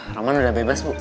roman udah bebas bu